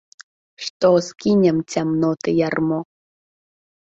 Што скінем цямноты ярмо.